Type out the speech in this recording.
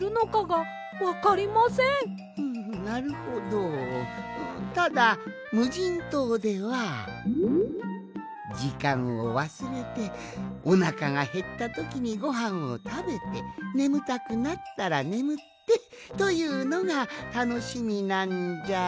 ふむなるほどただむじんとうではじかんをわすれておなかがへったときにごはんをたべてねむたくなったらねむってというのがたのしみなんじゃが。